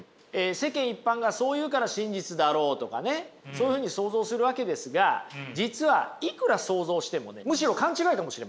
世間一般がそう言うから真実だろうとかそういうふうに想像するわけですが実はいくら想像してもねむしろ勘違いかもしれません。